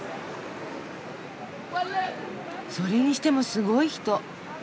それにしてもすごい人。